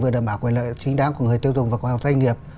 vừa đảm bảo quyền lợi chính đáng của người tiêu dùng và khoa học doanh nghiệp